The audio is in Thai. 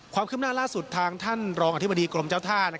ความคืบหน้าล่าสุดทางท่านรองอธิบดีกรมเจ้าท่า